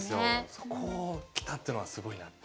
そこを来たっていうのはすごいなっていう。